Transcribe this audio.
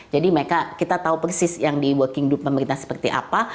jadi mereka kita tahu persis yang di working group pemerintah seperti apa